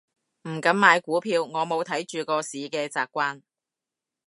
唔敢買股票，我冇睇住個市嘅習慣